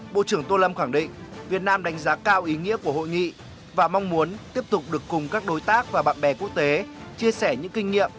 bộ trưởng tô lâm khẳng định việt nam đánh giá cao ý nghĩa của hội nghị và mong muốn tiếp tục được cùng các đối tác và bạn bè quốc tế chia sẻ những kinh nghiệm